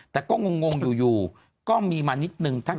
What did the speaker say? แต่ก็งงอยู่ก็มีมานิดนึง